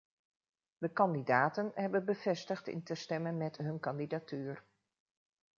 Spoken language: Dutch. De kandidaten hebben bevestigd in te stemmen met hun kandidatuur.